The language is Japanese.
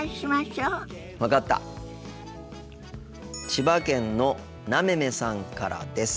千葉県のなめめさんからです。